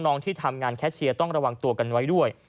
ที่ทำงานแคชเชียร์ต้องระวังตัวกันไว้ด้วย